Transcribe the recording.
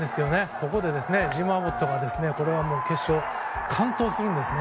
ここでジム・アボットが決勝で完投するんですね。